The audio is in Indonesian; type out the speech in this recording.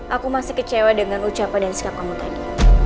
aku masih kecewa dengan ucapan dan sikap kamu tadi